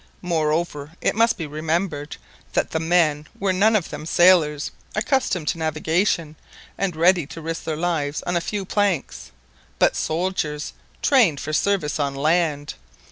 Moreover, it must be remembered that the men were none of them sailors, accustomed to navigation, and ready to risk their lives on a few planks, but soldiers, trained for service on land.